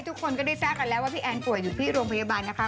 ทุกคนก็ได้ทราบกันแล้วว่าพี่แอนป่วยอยู่ที่โรงพยาบาลนะคะ